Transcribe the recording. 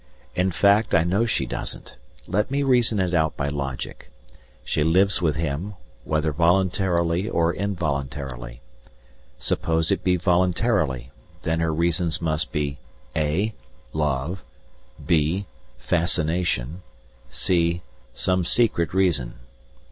In fact, I know she doesn't. Let me reason it out by logic. She lives with him, whether voluntarily or involuntarily. Suppose it be voluntarily, then her reasons must be (a) Love; (b) Fascination; (c) Some secret reason.